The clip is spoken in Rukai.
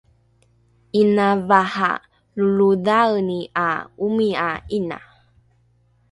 ’ina vaha lolodhaeni ’a omia ’ina